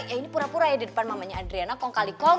ya ini pura pura ya di depan mamanya adriana kong kali kong